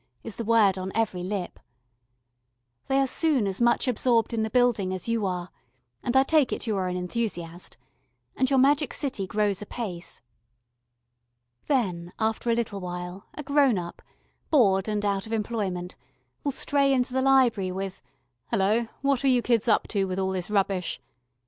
is the word on every lip. They are soon as much absorbed in the building as you are and I take it you are an enthusiast and your magic city grows apace. Then after a little while a grown up, bored and out of employment, will stray into the library with "Hullo! what are you kids up to with all this rubbish?"